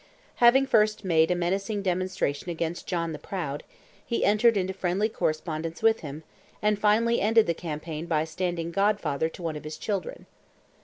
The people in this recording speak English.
Having first made a menacing demonstration against John the Proud, he entered into friendly correspondence with him, and finally ended the campaign by standing godfather to one of his children.